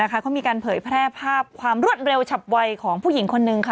เขามีการเผยแพร่ภาพความรวดเร็วฉับวัยของผู้หญิงคนนึง